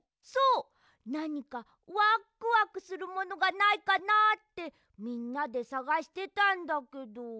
そうなにかワックワクするものがないかなってみんなでさがしてたんだけど。